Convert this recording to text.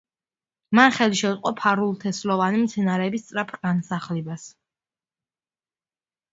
მან ხელი შეუწყო ფარულთესლოვანი მცენარეების სწრაფ განსახლებას.